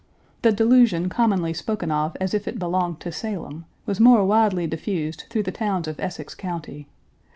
The delusion commonly spoken of, as if it belonged to Salem, was more widely diffused through the towns of Essex County.